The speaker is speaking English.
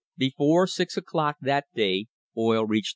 Before six o'clock that day oil reached $3.